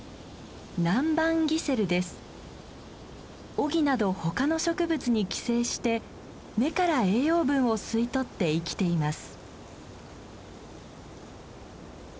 オギなど他の植物に寄生して根から栄養分を吸い取って生きています。